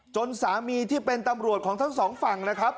จนสามีที่เป็นตำรวจของทั้งสองฝั่งนะครับ